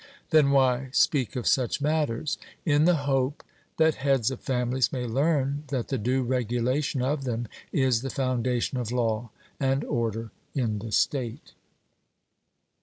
'Then why speak of such matters?' In the hope that heads of families may learn that the due regulation of them is the foundation of law and order in the state.